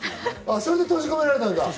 それで閉じ込められたんだ。